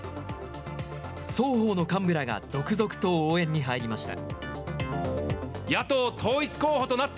双方の幹部らが続々と応援に入りました。